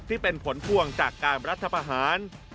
ที่เป็นผลควงจากการประธบาหาร